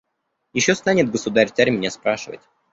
Еще станет государь-царь меня спрашивать: